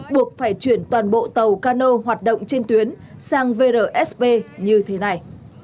buộc phải chuyển toàn bộ tàu cano hoạt động trên tuyến sang vrsb như thế này